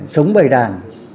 sống bày đàn